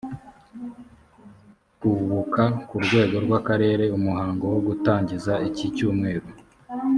kwubuka ku rwego rw akarere umuhango wo gutangiza iki cyumweru